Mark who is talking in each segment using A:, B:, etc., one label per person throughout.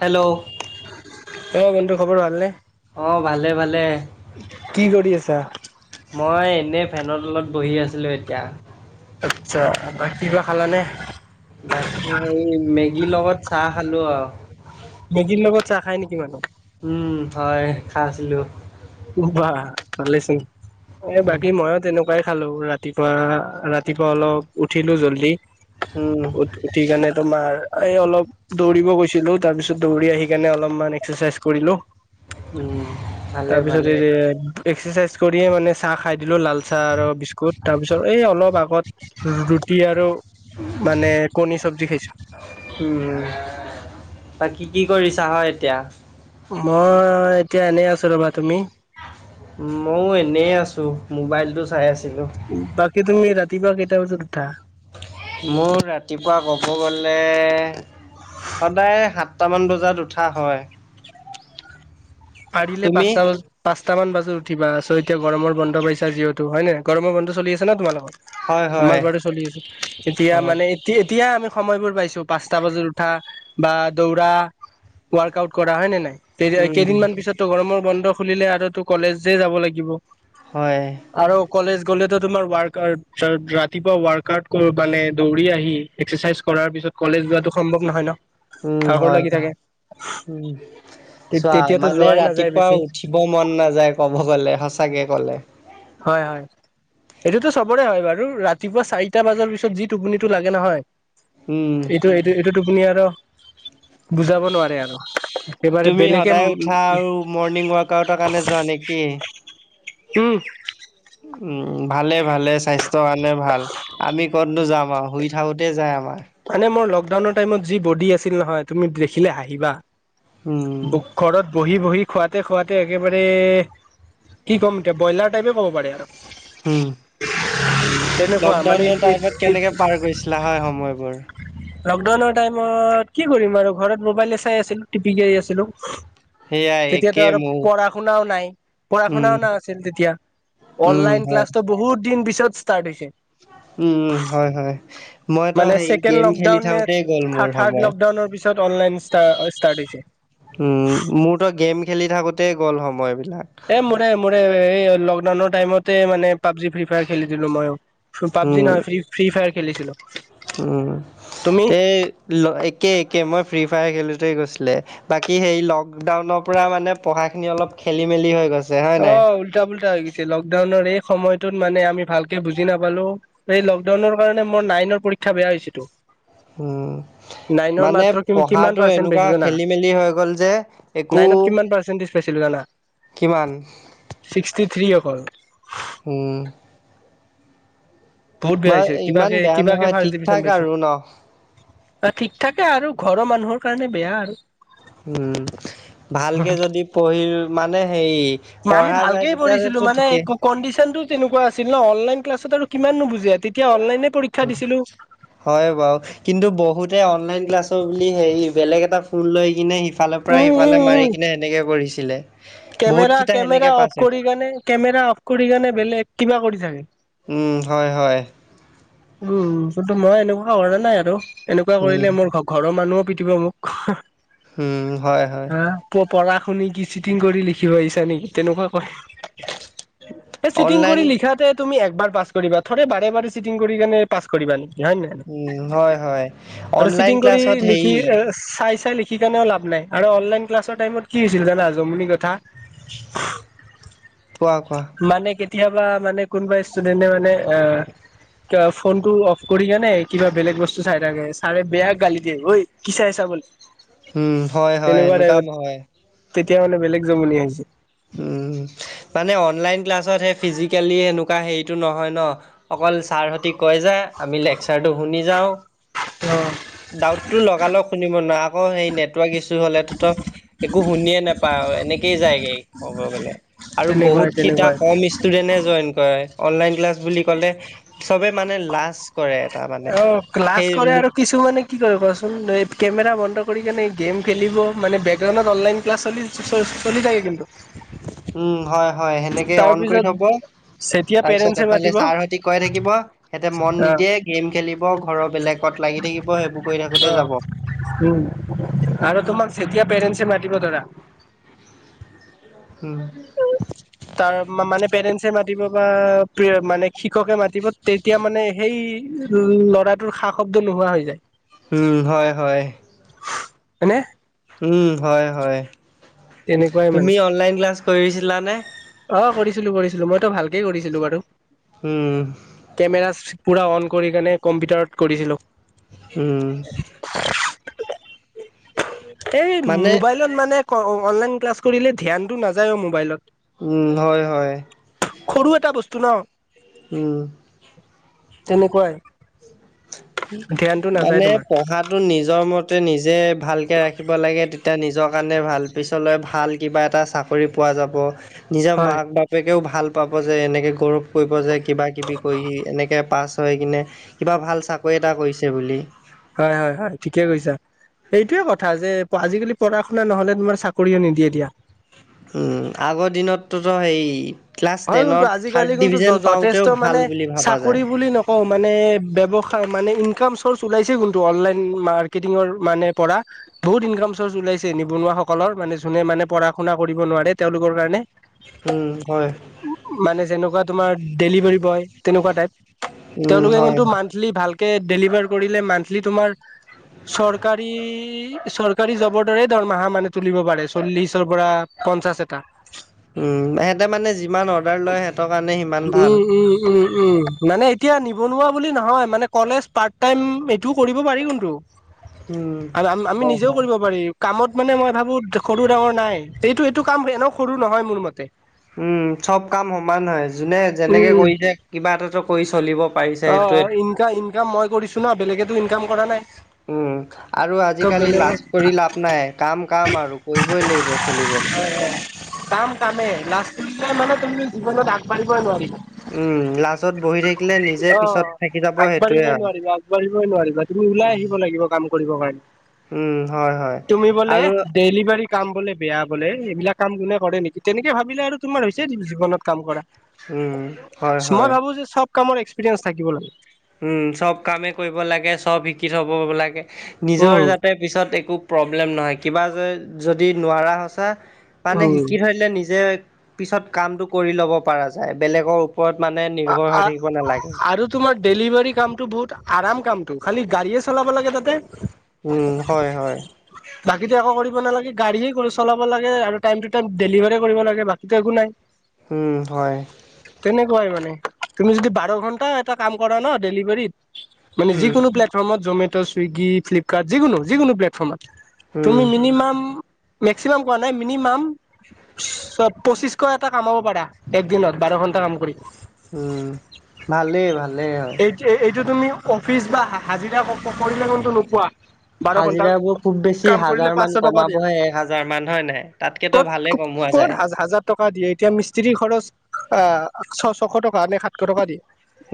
A: Hello! [inaudible]
B: [unintelligible] অঁ! বন্ধু খবৰ ভাল নে?
A: অঁ! ভালে-ভালে। [unintelligible]
B: [unintelligible] কি কৰি আছা?
A: মই এনেই ফেনৰ তলত বহি আছিলোঁ এতিয়া। [unintelligible]
B: আচ্ছা! বাকী কিবা খালা নে? [inaudible]
A: বাকী সেই মেগীৰ লগত চাহ খালো আৰু। [unintelligible]
B: মেগীৰ লগত চাহ খাই নেকি মানুহ? [unintelligible]
A: উম! হয় খাইছিলো। [unintelligible]
B: বাহ ভালে চোন। এ বাকী মইও তেনেকু [unintelligible] [unintelligible] খালো ৰাতিপুৱা-ৰাতিপুৱা অলপ উঠিলো জল্দি,
A: উম
B: উঠ উঠি কেনে তোমাৰ এই অলপ [unintelligible] দৌৰিব গৈছিলো তাৰ পিছত দৌৰি আহি কেনে অলপমান এক্সাৰচাইজ কৰিলো। [inaudible]
A: উম! [unintelligible]
B: তাৰ পিছত
A: ভালে
B: এ এক্সাৰচাইজ কৰিয়ে মানে চাহ খাই দিলো লাল [inaudible] চাহ আৰু বিস্কুট তাৰপিছত এই অলপ আগত ৰুটি আৰু- মানে কণী চব্জি খাইছো।
A: উম' বাকি কি কৰিছা হয় এতিয়া?
B: মই এতিয়া এনেই আছো ৰবা, তুমি?
A: ময়ো এনেই আছো মোবাইলতটো চাই আছিলো।
B: বাকী তুমি ৰাতিপুৱা কেইটা বজাত উঠা?
A: মোৰ ৰাতিপুৱা ক'ব গ'লে- সদায় সাতটামান বজাত উঠা হয়।
B: পাৰিলে
A: তুমি?
B: পাঁচটা বজ- পাঁচটামান বজাত উঠিবা চ' এতিয়া গৰমৰ বন্ধ পাইছা যিহেতু হয় নাই গৰমৰ বন্ধ চলি আছে ন তোমালোকৰ?
A: হয় হয়
B: আমাৰ বাৰু চলি আছে। এতিয়া
A: অঁ
B: মানে, - এতিয়া আমি সময়বোৰ পাইছো পাঁচটা বজাত উঠা বা দৌৰা। ৱাৰ্কআউট কৰা হয় নে নাই? কেৰিয়া
A: উম
B: কেইদিনমান পিছত তো গৰমৰ বন্ধ খুলিলে আৰু তো কলেজেই যাব লাগিব।
A: হয়।
B: আৰু কলেজ গ'লেতো তোমাৰ ৱাৰ্কআউট ৰাতিপুৱা ৱাৰ্কআউট কৰি মানে দৌৰি আহি- এক্সেচাইজ কৰাৰ পিছত কলেজ যোৱাটো সম্ভৱ নহয় ন।
A: উম'
B: ভাগৰ
A: হয়
B: লাগি
A: হয়,
B: থাকে।
A: উম' চোৱা।
B: তেতিয়াতো
A: মানে
B: যোৱাই নাযায়
A: ৰাতিপুৱা
B: বেছি
A: উঠিব মন নাযায় ক'ব গ'লে সঁচাকে ক'লে।
B: হয় হয়। এইটোতো চবৰে হয় বাৰু ৰাতিপুৱা চাৰিটা বজাৰ পিছত যি টোপনিটো লাগে নহয়-
A: উম'
B: এইটো এইটো টোপুনি আৰু বুজাব নোৱাৰে আৰু একেবাৰে বেলেগে।
A: আউ মৰ্ণিং ৱাক আউটৰ কাৰণে যোৱা নেকি?
B: উম
A: উম' ভালে ভালে স্বাস্থ্যৰ কাৰণে ভাল। আমি ক'তনো যাম আৰু শুই থাকোতে যায় আমাৰ।
B: মানে মোৰ লকডাউনৰ টাইমত যি বডি আছিল নহয় তুমি দেখিলে হাঁহিবা।
A: উম'
B: ঘৰত বহি বহি খুৱাতে খুৱাতে একেবাৰে- কি ক'ম এতিয়া ব্ৰইলাৰ টাইপে ক'ব পাৰি আৰু।
A: উম'
B: তেনেকুৱা মানে
A: লকডাউনৰ টাইমত কেনেকে পাৰ কৰিছিলা হয় সময়বোৰ।
B: লকডাউনৰ টাইমত কি কৰিম আৰু ঘৰত মোবাইলে চাই আছিলো টিপিকেই আছিলো।
A: সেয়াই
B: তেতিয়াতো
A: একে
B: আৰু
A: ময়ো।
B: পঢ়া শুনাও নাই পঢ়া
A: উম,
B: শুনাও নাই আছিল তেতিয়া।
A: উম,
B: অনলাইন
A: হয়।
B: ক্লাছটো বহুত দিন পিছত ষ্টাৰ্ট হৈছে।
A: উম উম' হয় হয়। মইতো
B: মানে
A: হেৰি
B: চেকেণ্ড
A: গেম খেলি
B: লকডাউন নে
A: থাকোতেই গ'ল মোৰ
B: থাৰ্ড থাৰ্ড
A: সময়।
B: লগডাউনৰ পিছত অনলাইন ষ্টা অ ষ্টাৰ্ট হৈছে।
A: উম' মোৰ তো গেম খেলি থাকোতেই গ'ল সময়বিলাক।
B: এ মোৰে মোৰে এই লকডাউনৰ টাইমতে মানে পাবজি ফ্ৰী ফায়াৰ খেলিছিলো মইও।
A: উম,
B: পাবজি নহয় ফ্ৰি ফ্ৰি ফায়াৰ খেলিছিলো।
A: উম'
B: তুমি
A: তে একে একে মই ফ্ৰী ফায়াৰ খেলোতে গৈছিলে। বাকী হেই লকডাউনৰ পৰা মানে পঢ়াখিনি অলপ খেলি মেলি হৈ গৈছে। হয় নাই?
B: অঁ উল্টা পুল্টা হৈ গৈছে লকডাউনৰ এই সময়টোত মানে আমি ভালকে বুজি নাপালো। এই লকডাউনৰ কাৰণে মোৰ নাইনৰ পৰীক্ষা বেয়া হৈছে তো।
A: উম' মানে
B: মাত্ৰ কিমান
A: পঢ়াটো
B: পাৰ্চেন্ট
A: এনেকুৱা
B: পাইছো জানা
A: খেলি মেলি হৈ গল যে- একো
B: নাইনত কিমান পাৰ্চেণ্টেজ পাইছিলো জানা?
A: কিমান
B: ছিক্সটি থ্ৰী অকল
A: উম
B: বহুত বেয়া
A: মই
B: হৈছে
A: ইমান
B: কিবাকে
A: বেয়া
B: কিবাকে
A: নহয়
B: ফাৰ্ষ্ট
A: ঠিক ঠাক
B: ডিভিজন পাইছো
A: আৰু ন?
B: অ ঠিক থাকে আৰু ঘৰৰ মানুহৰ কাৰণে বেয়া আৰু
A: উম ভালকে যদি পঢ়িল মানে সেই।
B: আমি ভালকে পঢ়িছিলো মানে কণ্ডিচনটো তেনেকুৱা আছিল ন অনলাইন ক্লাছ আৰু কিমান নুবুজে তেতিয়া অনলাইনে পৰীক্ষা
A: উ
B: দিছিলো
A: হয় বাৰু কিন্তু বহুতে অনলাইন ক্লাছৰ বুলি হেৰি বেলেগ এটা ফোন লৈ কিনে সিফালৰ পৰা
B: উম উম
A: ইফালে
B: উম
A: মাৰি কিনে সেনেকে পঢ়িছিলে
B: কেমেৰা কেমেৰা অফ কৰি কেনে কেমেৰা অফ কৰি কেনে বেলেগ কিবা কৰি থাকে
A: উম হয় হয়
B: উম কিন্তু মই এনেকুৱা কৰা নাই আৰু এনেকুৱা
A: উম
B: কৰিলে মোৰ ঘ ঘৰৰ মানুহও পিটিব মোক
A: উম হয় হয়
B: প পঢ়া শুনি কি চিটিং কৰি লিখিব আহিছা নেকি তেনেকুৱা কয় এই চিটিং
A: অনলাইন
B: কৰি লিখাতে তুমি একবাৰ পাছ কৰিবা থৰে বাৰে বাৰে চিটিং কৰি কেনে পাছ কৰিবা নেকি হয় নে
A: উম
B: নহয়
A: হয় হয়
B: আৰু
A: অনলাইন
B: চিটিং কৰি
A: ক্লাছত
B: লিখি
A: হেৰি
B: চাই চাই লিখি। সেই কাৰণেও লাভ নাই আৰু অনলাইন ক্লাছৰ টাইমত কি হৈছিল জানা জমনি কথা।
A: কোৱা কোৱা
B: মানে কেতিয়াবা মানে কোনোবা ষ্টুডেণ্টে মানে অ ফোনটো অফ কৰি কোনে কিবা বেলেগ বস্তু চাই থাকে ছাৰে বেয়া গালি দিয়ে ঐ কি চাই আছা বোলে।
A: উম হয় হয়
B: তেনেকুৱা
A: এনেকুৱা
B: টাইপত
A: নহয়
B: তেতিয়া মানে বেলেগ জমনি হৈছে
A: মানে অনলাইন ক্লাছত সেই ফিজিকেলি এনেকুৱা হেৰিটো নহয় ন অকল ছাৰ হতে কৈ যায় আমি লেকচাৰটো শুনি যাওঁ
B: অঁ
A: দাউতো লগালগ শুনিব নোৱাৰো আকৌ হেৰি নে ইছু হলেতো একো শুনিয়ে নাপায় আৰু এনেকে যায়গে ক'ব গ'লে আৰু বহুত
B: তেনেকুৱাই
A: খিটা
B: তেনেকুৱাই
A: কম ই ষ্টুডেণ্টে জইন কৰে অনলাইন ক্লাছ বুলি ক'লে চবে মানে লাষ্ট
B: অ ক্লাছ কৰে আৰু কিছু মানে কি কয় কোৱাচোন কেমেৰা বন্ধ কৰি কেনে গেম খেলিব মানে বেকগ্ৰাউণ্ডত অনলাইন ক্লাছ চলি চলি চলি থাকে কিন্তু
A: উম হয় হয় সেনেকে অন কৰি
B: তাৰপিছত
A: থব
B: যেতিয়া
A: তাৰপিছত
B: পেৰেণ্টছে
A: এফালে
B: মাতিব
A: ছাৰ হতি কৈ থাকিব সিহঁতে মন
B: অ',
A: নিদিয়ে গেম খেলিব ঘৰৰ বেলেগত লাগি থাকিব সেইবোৰ কৰি থাকোতে
B: অ',
A: যাব
B: উম আৰু তোমাক যেতিয়া পেৰেণ্টছে মাতিব ধৰা
A: উম
B: তাৰ মানে পেৰেন্টচে মাতিব বা মানে শিক্ষকে মাতিব এতিয়া মানে সেই ল'ৰাটোৰ সা শব্দ নোহোৱা হৈ যায়
A: উম হয় হয়
B: হয়নে।
A: উম হয় হয়
B: তেনেকুৱাই মানে,
A: তুমি অনলাইন ক্লাছ কৰিছিলানে
B: অ কৰিছিলো কৰিছিলো মইতো ভালকেই কৰিছিলো বাৰু।
A: উম।
B: কেমেৰা পূৰা অন কৰি কেনে কম্পিউটাৰত কৰিছিলোঁ।
A: উম।
B: এই
A: মানে
B: মোবাইলত। মানে অনলাইন ক্লাছ কৰিলে ধ্যানটো নাযায় অ মোবাইলত।
A: উম হয় হয়।
B: সৰু এটা বস্তু ন।
A: উম।
B: তেনেকুৱাই। ধ্যানটো নাযায়
A: মানে
B: তোমাৰ
A: পঢ়াটো নিজৰ মতে নিজে ভালকে ৰাখিব লাগে। এতিয়া নিজৰ কাৰণে ভাল পিছলৈ ভাল কিবা এটা চাকৰি পোৱা যাব নিজৰ
B: হয়
A: মাক বাপ। বাপেকেও ভাল পাব যে এনেকৈ গৌৰৱ কৰিব যে কিবা কিবি কৰি এনেকৈ পাছ। হৈ কিনে কিবা ভাল চাকৰি এটা কৰিছে বুলি।
B: হয় হয় হয় ঠিকে কৈছা। এইটোৱে কথা যে আজিকালি পঢ়া শুনা নহলে তোমাৰ চাকৰিয়ও নিদিয়ে এতিয়া।
A: উম আগৰ দিনততোত সেই।
B: হয় কিন্তু আজিকালি কিন্তু য যথেষ্ট
A: ভাল
B: মানে
A: বুলি ভাবা যায়।
B: চাকৰি বুলি নক। অ মানে ব্যৱসায় মানে ইনকাম চৰ্চ ওলাইছে কিনটো অনলাইন মাৰ্কেটিঙৰ মানে পৰা। বহুত ইনকাম চৰ্চ ওলাইছে নিবনুৱাাসকলৰ মানে যোনে মানে পঢ়া শুনা কৰিব নোৱাৰে তেওঁলোকৰ কাৰণে
A: উম হয়।
B: মানে যেনেকুৱা তমাৰ দেলিভাৰী বয় তেনেকুৱা তাইব
A: উম,
B: তেওঁলোক
A: হয়।
B: কিন্তু মণ্ঠ। বুলি ভালকে দেলিভাৰ কৰিলে মণ্ঠলি তোমাৰ। চৰকাৰী চৰকাৰী জবৰ দৰে দৰমাহা মানে তুলিব পাৰে চল্লিশৰ পৰা। পঞ্চাছ এটা।
A: উম সিহঁতে মানে যিমান অৰ্ডাৰ লয় সেহ। ত কাৰণে সীমা।
B: উম উম। উম উম মানে এতিয়া নিবনুৱা বুলি নহয় মানে কলেজ পাৰ্ট টাইম এইটোও কৰিব পাৰি কোনটো।
A: উম,
B: আৰু আ আমি
A: হয়
B: নিজেও
A: হয়।
B: কৰিব পাৰিম। কামত মানে মই ভাবো সৰু ডাঙৰ নাই এইটো এইটো কাম এনেও সৰু নহয় মোৰ মতে।
A: উম চব কাম সমান হয়। যোনে যেনেকে
B: উম উম
A: কৰিছে কিবা এটাতো কৰি চলিব পাৰিছে সেইটোৱে।
B: ইনকা ইনকাম মই কৰিছো। চুনা বেলেগেতো ইনকাম কৰা নাই।
A: উম আৰু
B: ত
A: আজিকালি
B: বেলেগৰ
A: লাজ কৰি লাভ নাই কাম কাম আৰু কৰিবই লাগিব চলিবলৈ।
B: কাম কামে লাজ তুলিলে মানে তুমি জীৱনত আগবাঢ়িবই নোৱাৰিবা।
A: উম লাজত বহি থাকিলে নিজে
B: অ'।
A: পিছত থাকি যাব সেইটোয়ে
B: আগবাঢ়িবই
A: আৰু।
B: নোৱাৰিবা আগবাঢ়িবই নোৱাৰিবা তুমি ওলাই আহিব লাগিব কাম কৰিবৰ কাৰণে।
A: উম, হয় হয়
B: তুমি বোলে
A: আৰু
B: ডেলিভাৰী। কাম বোলে বেয়া বোলে এইবিলাক কাম কোনে কৰে নেকি তেনেকে ভাবিলে আৰু তোমাৰ হৈছে জীৱনত কাম কৰা।
A: উম, হয়
B: মই
A: হয়।
B: ভাবো যে চব কামৰ এক্সপিৰিয়েঞ্চ থাকিব লাগে
A: উম চব কামে কৰিব লাগে চব শিকিব লাগে নিজৰ
B: উম,
A: যাতে। পিছত একো প্ৰব্লেম নহয় কিবা য যদি নোৱাৰা সঁচা। মানে
B: উম।
A: শিকি থৈদিলে নিজে পিছত কামটো কৰি লব পৰা যায় বেলেগৰ। ওপৰত মানে নিৰ্ভৰ হৈ থাকিব নালাগে।
B: আৰু তোমাৰ ডেলিভাৰী কামটো বহুত আৰাম কামটো খালি গাড়ীয়েই চলাব লাগে তাতে।
A: উম হয়, হয়।
B: বাকী একো কৰিব নালাগে গাড়ীয়ে চলাব লাগে আৰু টাইম টু টাইম ডেলিভাৰী কৰিব লাগে বাকীটো একো নাই। [inaudible]
A: উম, হয়।
B: তেনেকুৱাই মানে তুমি যদি বাৰ ঘন্টা এটা কাম কৰা ন ডেলিভাৰীত মানে
A: উম,
B: যিকোনো প্লেটফৰ্মত জমে'ট' ছুইগী ফ্লিপকাৰ্ট যিকোনো যিকোনো প্লেটফৰ্মত
A: উম,
B: তুমি মিনিমাম মেক্সিমাম কোৱা নাই মিনিমাম পঁচিশ শ এটা কামাব পাৰা এক দিনত বাৰ ঘন্টা কাম কৰি।
A: উম, ভালেই ভালে হয়।
B: এই এই এইটো তুমি অফিচ বা হা হাজিৰা ক কৰিলে কিন্তু নোপোৱা বাৰ ঘন্টা
A: হাজিৰাবো খুব বেছি। সি
B: কাম কৰিলে
A: হাজাৰ
B: পাঁচশ
A: মান
B: টকা দিয়ে
A: কমাবহে এক হাজাৰ মান হয় নহয়
B: ক'ত
A: তাতকেতো ভালে কমোৱা
B: ক'ত
A: যায়।
B: হাজাৰ টকা দিয়ে এতিয়া মিস্ত্ৰীৰ খৰচ আহ ছ ছশ টকা নে সাতশ টকা দিয়ে।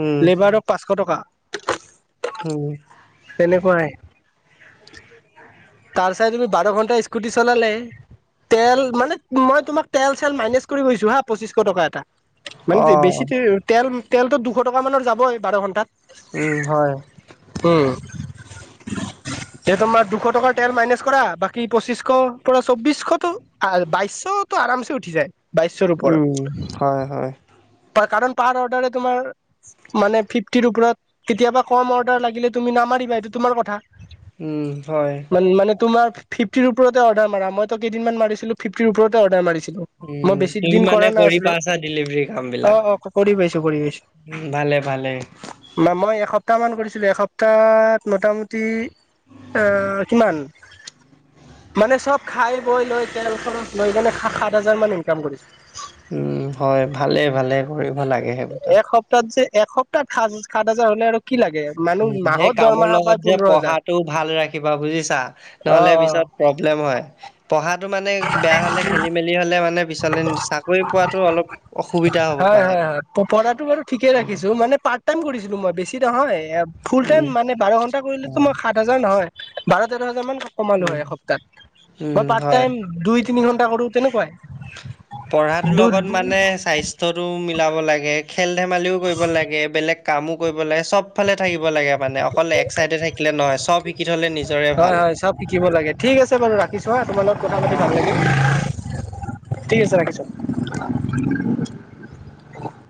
A: উম,
B: লেবাৰৰ পাঁচশ টকা।
A: উম।
B: তেনেকুৱাই। তাৰ চাই তুমি বাৰ ঘণ্টা স্কুটি চলালে তেল মানে মই তোমাক তেল চেল মাইনেচ কৰি কৈছোঁ হা পঁচিশশ টকা এটা। মানে বেছি
A: অ',
B: তেল তেলতো দুশ টকা মানৰ যাবই বাৰ ঘন্টাত।
A: উম, হয়।
B: উম [unintelligible] এ তোমাৰ দুশ টকাত তেল মাইনাচ কৰা বাকী পঁচিশৰ পৰা চৌবিশ টো বাইশতো আৰামছে উঠি যায়। বাইছশৰ
A: উম, হয়, হয়।
B: ওপৰত কাৰণ পাৰ অৰ্ডাৰে তোমাৰ মানে ফিফটিৰ ওপৰত কেতিয়াবা কম অৰ্ডাৰ লাগিলে তুমি নামাৰিবা এইটো তোমাৰ কথা
A: উম হয়।
B: মানে তোমাৰ ফিফটিৰ ওপৰতে অৰ্ডাৰ মাৰা মইটো কেইদিনমান মাৰিছিলোঁ ফিফটিৰ ওপৰতে অৰ্ডাৰ মাৰিছিলোঁ।
A: উম,
B: মই বেছি
A: তুমি
B: দিন
A: মানে
B: কৰা না
A: কৰি
B: ছিলো
A: পাইছা ডেলিভাৰী
B: অ', অ', কৰি পাইছোঁ কৰি পাইছোঁ।
A: উ ভালে, ভালে।
B: না মই এসপ্তাহ মান কৰিছিলোঁ এসপ্তাহ মোটামুটি এ উম। মানে চব খাই বৈ লৈ তেল খৰচ লৈ কেনে সা সাত হাজাৰ মান ইনকাম কৰিছিলোঁ।
A: উম হয় ভালে, ভালে কৰিব লাগে সেইবিলাক।
B: তাত চে এসপ্তাহ সাত হাজাৰ হ'লে আৰু কি লাগে
A: উ
B: মানুহ
A: সেই
B: মাহত
A: কামৰ
B: দৰমাহা
A: লগত
B: পায়
A: যে
B: পোন্ধৰ হাজাৰ
A: পঢ়াটো ভাল ৰাখিবা বুজিছা
B: অ
A: নহলে
B: অ
A: পিছত প্ৰব্লেম হয় পঢ়াটো মানে বেয়া হলে খেলি মেলি হলে মানে পিছ লে চাকৰি পোৱাতো অলপ অসুবিধা হ'ব
B: হয়
A: পাৰে।
B: হয় হয় পঢ়াটো বাৰু ঠিকে ৰাখিছো মানে পাৰ্ট টাইম কৰিছিলোঁ মই বেছি নহয় ফোল টাইম
A: উম,
B: মানে বাৰ ঘণ্টা কৰিলেতো
A: হয়,
B: মই সাত হেজাৰ নহয় বাৰ তেৰ হাজাৰমান কমালো
A: উম,
B: হয় এসপ্তাহত
A: উম,
B: মই পাৰ্ট
A: হয়।
B: টাইম দুই তিনি ঘণ্টা কৰো তেনেকুৱাই।
A: পঢ়াটোৰ লগত
B: দু
A: মানে স্বাস্থ্য তৰো মিলাব লাগে খেল ধেমালিও কৰিব লাগে বেলেগ কামো কৰিব লাগে চব চবফালে থাকিব লাগে মানে অকল এক্সাইেড থাকিলে নহয় চব শিক শিকি থ'লে নিজৰে ভাল।
B: হয় হয় চব শিকিব লাগে ঠিক আছে বাৰু ৰাখিছো হা তোমাৰ লগ কথা
A: অ',
B: পাতি
A: অ'।
B: ভাল লাগিল। ঠিক আছে ৰাখিছো।
A: অ [unintelligible]